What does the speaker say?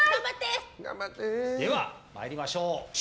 では、参りましょう。